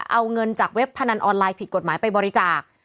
เอาเงินจากเว็บพนันออนไลน์ผิดกฎหมายไปบริจาค